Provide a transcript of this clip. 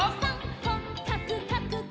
「こっかくかくかく」